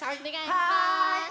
はい！